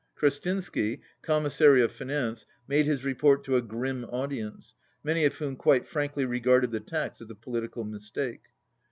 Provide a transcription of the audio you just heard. Krestinsky, Commissary of Finance, made his report to a grim audience, many of whom quite frankly regarded the tax as a political mis take.